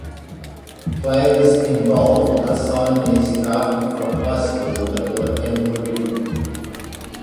Players in bold are signees drafted from high school that will attend Louisville.